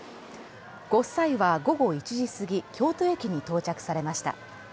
ご夫妻は午後１時過ぎ、京都駅に到着されました。